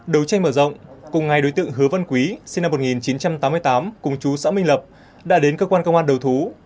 đấu tranh mở rộng cùng ngày đối tượng hứa văn quý sinh năm một nghìn chín trăm tám mươi tám cùng chú xã minh lập đã đến cơ quan công an đầu thú